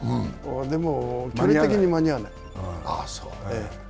でも、距離的に間に合わない。